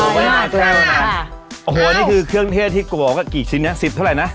สบายมากเลยโอ้โฮนี่คือเครื่องเทศที่กลัวออกกับกี่ชิ้นนี้๑๐เท่าไหร่นะ